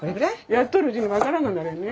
やっとるうちに分からんくなるよね。